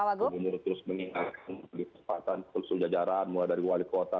pak gubernur terus meningkatkan kesempatan kursus jajaran mulai dari wali peneliti